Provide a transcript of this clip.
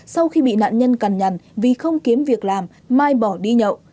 sau khi bị nạn nhân cằn nhằn vì không kiếm việc làm mai bỏ đi nhậu